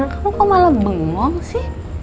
kamu kok malah bengong sih